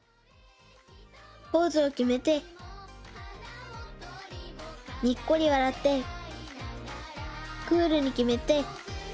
ポーズをきめてにっこりわらってクールにきめて。